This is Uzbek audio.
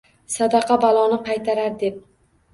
Sadaqa baloni qaytarar, deb